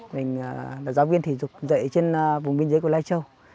mình là giáo viên thể dục dạy trên vùng binh dưới của lai châu